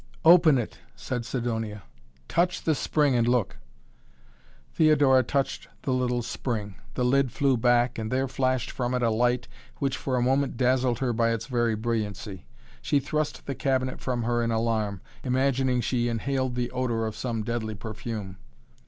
"Open it!" said Sidonia. "Touch the spring and look!" Theodora touched the little spring. The lid flew back and there flashed from it a light which for a moment dazzled her by its very brilliancy. She thrust the cabinet from her in alarm, imagining she inhaled the odor of some deadly perfume.